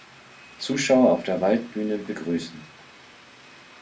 Zuschauer auf der Waldbühne begrüßen.